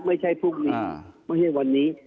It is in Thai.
ไม่ใช่พรุ่งนี้